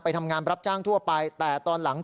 ทำงานรับจ้างทั่วไปแต่ตอนหลัง